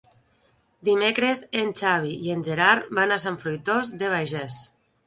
Dimecres en Xavi i en Gerard van a Sant Fruitós de Bages.